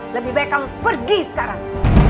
lebih baik kamu pergi sekarang